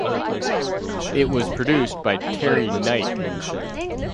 It was produced by Terry Knight.